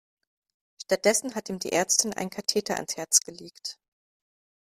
Stattdessen hat ihm die Ärztin einen Katheter ans Herz gelegt.